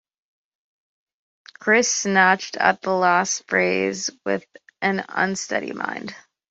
Chris snatched at the last phrase with an unsteady mind.